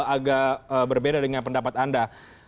agak berbeda dengan pendapat anda